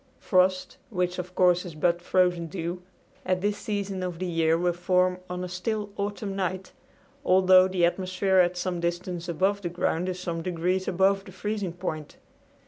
Frost which of course is but frozen dew at this season of the year will form on a still autumn night, although the atmosphere at some distance above the ground is some degrees above the freezing point.